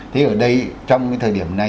thế ở đây trong cái thời điểm này